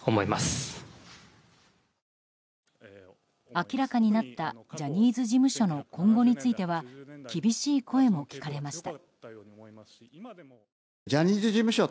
明らかになったジャニーズ事務所の今後については厳しい声も聞かれました。